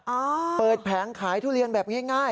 อ้าวเปิดแผงขายทุเรียนแบบง่าย